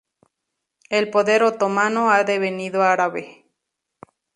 El poder otomano ha devenido árabe.